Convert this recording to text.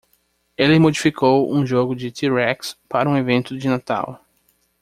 Ele modificou um jogo de t-rex para um evento de Natal.